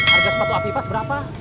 harga sepatu aviva seberapa